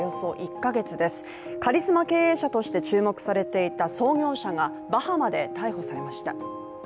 カリスマ経営者として注目されていた創業者がバハマで逮捕されました。